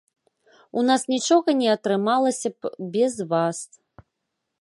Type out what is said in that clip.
У нас нічога не атрымалася б без вас.